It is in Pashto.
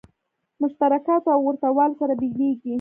مشترکاتو او ورته والو سره بېلېږي.